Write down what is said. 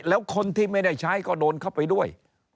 แล้วคนที่ไม่ได้ใช้ก็โดนเข้าไปด้วย